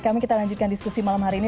kami kita lanjutkan diskusi malam hari ini